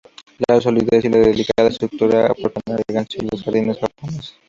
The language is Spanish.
La solidez y la delicada escultura, aportan elegancia a los jardines japoneses.